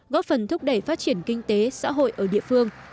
góp phần thúc đẩy phát triển kinh tế xã hội ở địa phương